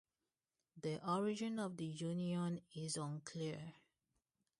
The origin of the union is unclear.